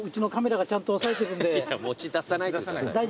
いや持ち出さないでください。